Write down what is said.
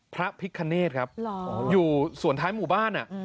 พระพิคเนธครับอยู่ส่วนท้ายหมู่บ้าน